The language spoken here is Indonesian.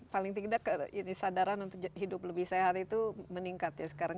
paling tidak kesadaran untuk hidup lebih sehat itu meningkat ya sekarang